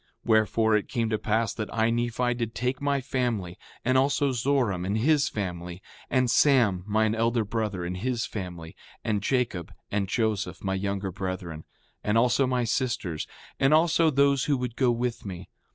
5:6 Wherefore, it came to pass that I, Nephi, did take my family, and also Zoram and his family, and Sam, mine elder brother and his family, and Jacob and Joseph, my younger brethren, and also my sisters, and all those who would go with me.